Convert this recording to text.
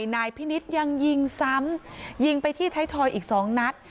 และด้วยนายพินิสยังยิงซ้ำยิงไปที่ไทยทอยอีกสองนัด